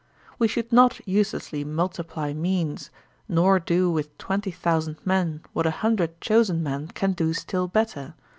We should not uselessly multiply means, nor do with twenty thousand men what a hundred chosen men can do still better.